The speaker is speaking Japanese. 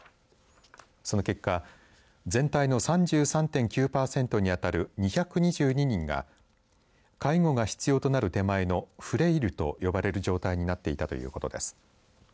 その結果全体の３３．９パーセントに当たる２２２人が介護が必要となる手前のフレイルと呼ばれる状態になっていたということです。